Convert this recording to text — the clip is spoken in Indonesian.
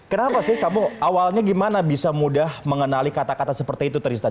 kenapa sih kamu awalnya gimana bisa mudah mengenali kata kata seperti itu tristan